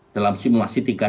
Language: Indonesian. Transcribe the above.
dalam simulasi yang terakhir ini